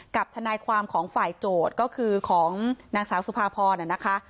ทนายความของฝ่ายโจทย์ก็คือของนางสาวสุภาพรน่ะนะคะ